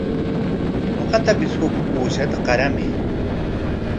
Ñuqatapis huk uushata qaramay.